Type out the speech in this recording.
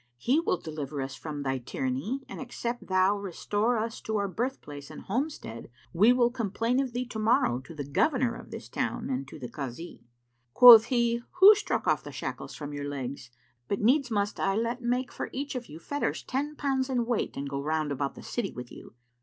He will deliver us from thy tyranny, and except thou restore us to our birth place and homestead, we will complain of thee tomorrow to the Governor of this town and to the Kazi." Quoth he, "Who struck off the shackles from your legs? But needs must I let make for each of you fetters ten pounds in weight and go round about the city with you."